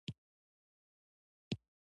ښارونه د افغانستان د سیاسي جغرافیه برخه ده.